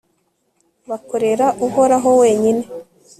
bakorera uhoraho wenyine